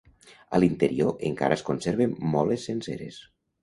A l'interior encara es conserven moles senceres.